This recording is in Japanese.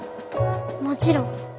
もちろん。